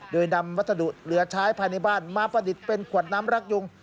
โดยนำวัสดุเหลือใช้ภายในบ้านมาประดิษฐ์เป็นขวดน้ำรักยุง